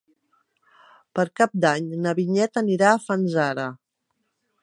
Per Cap d'Any na Vinyet anirà a Fanzara.